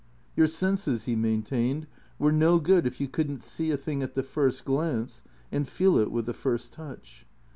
Your senses, he maintained, were no good if you could n't see a thing at the first glance and feel it with the first touch.